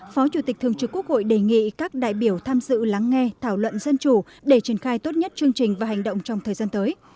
phó chủ tịch thường trực quốc hội đề nghị các đại biểu tham dự lắng nghe thảo luận dân chủ để triển khai tốt nhất chương trình và hành động trong thời gian tới